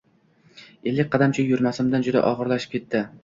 Ellik qadamcha yurmasimdan juda og‘irlashib ketdi.